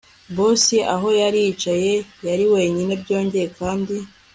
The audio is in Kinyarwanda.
Boss aho yari yicaye yari wenyine byongeye kandi